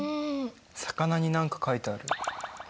魚に何か書いてある。